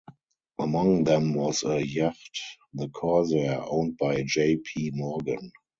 Among them was a yacht, the "Corsair", owned by J. P. Morgan.